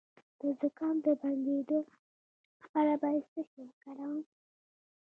د زکام د بندیدو لپاره باید څه شی وکاروم؟